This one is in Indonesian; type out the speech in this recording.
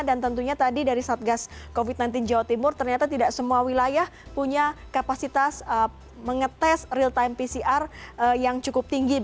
dan tentunya tadi dari satgas covid sembilan belas jawa timur ternyata tidak semua wilayah punya kapasitas mengetes real time pcr yang cukup tinggi